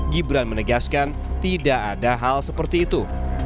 gibran menegaskan tidak ada hal seperti itu